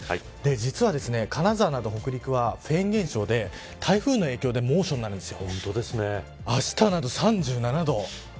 実は金沢など北陸はフェーン現象で台風の影響で猛暑になるんです。